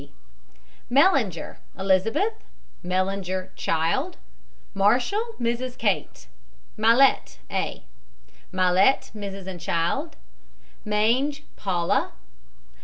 C. MELLINGER, ELIZABETH. MELLINGER, child. MARSHALL, MRS. KATE. MALLETT, A. MALLETT, MRS. and child. MANGE, PAULA.